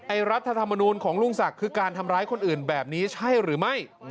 รัฐธรรมนูลของลุงศักดิ์คือการทำร้ายคนอื่นแบบนี้ใช่หรือไม่